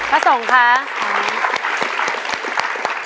พระสงฆ์ค่ะ